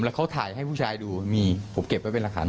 แล้วเขาถ่ายให้ผู้ชายดูมีผมเก็บไว้เป็นหลักฐาน